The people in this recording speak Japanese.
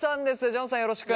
ジョンさんよろしく！